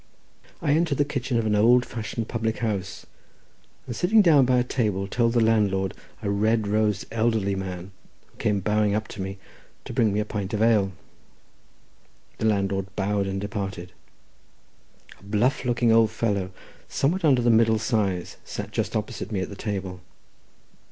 I entered the kitchen of an old fashioned public house, and sitting down by a table, told the landlord, a red nosed, elderly man, who came bowing up to me, to bring me a pint of ale. The landlord bowed and departed. A bluff looking old fellow, somewhat under the middle size, sat just opposite to me at the table.